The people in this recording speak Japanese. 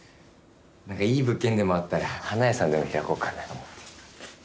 なんかいい物件でもあったら花屋さんでも開こうかなと思って。